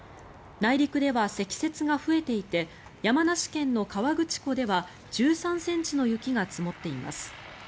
内陸では積雪が増えていて山梨県の河口湖では１３ｃｍの雪が積もっています。